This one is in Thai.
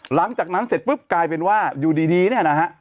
หลังจากนั้นเสร็จปุ๊บกลายเป็นว่าอยู่ดีเนี่ยนะฮะ